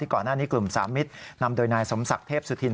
ก่อนหน้านี้กลุ่มสามมิตรนำโดยนายสมศักดิ์เทพสุธิน